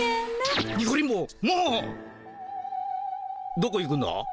どこ行くんだ？